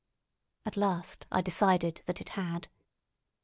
At last I decided that it had.